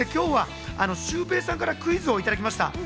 そして今日はシュウペイさんからクイズをいただきました。